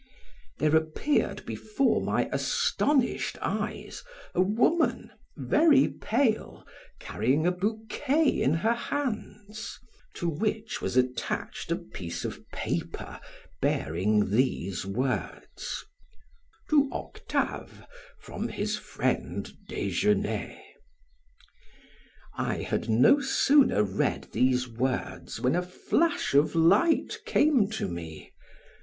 There appeared before my astonished eyes a woman, very pale, carrying a bouquet in her hands to which was attached a piece of paper bearing these words: "To Octave, from his friend Desgenais." I had no sooner read these words when a flash of light came to me.